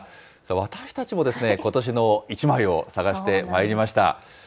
私たちもことしの１枚を探してまいりました。